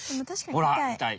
ほらいたい。